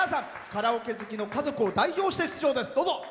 カラオケ好きの家族を代表して出場です。